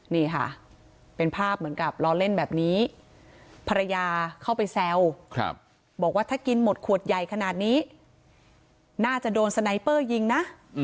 นี่ค่ะเป็นภาพเหมือนกับล้อเล่นแบบนี้ภรรยาเข้าไปแซวบอกว่าถ้ากินหมดขวดใหญ่ขนาดนี้น่าจะโดนสไนเปอร์ยิงนะ